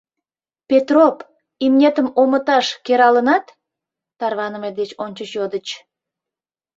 — Петроп, имнетым омыташ кералынат? — тарваныме деч ончыч йодыч.